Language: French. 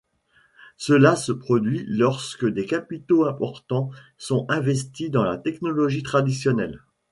Cela se produit lorsque des capitaux importants sont investis dans la technologie traditionnelle.